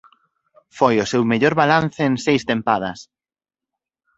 Foi o seu mellor balance en seis tempadas.